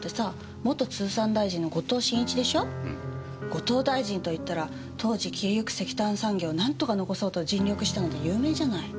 後藤大臣といったら当時消えゆく石炭産業を何とか残そうと尽力したので有名じゃない。